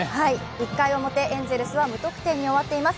１回表、エンゼルスは無得点に終わっています。